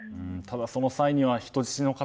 その際には人質の方